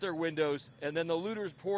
mengekalkan pintunya lalu penjarah menumpahkan